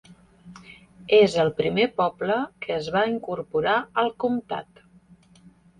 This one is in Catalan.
És el primer poble que es va incorporar al comtat.